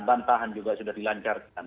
bantahan juga sudah dilancarkan